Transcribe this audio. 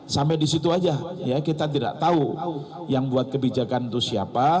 sampai di situ saja kita tidak tahu yang buat kebijakan itu siapa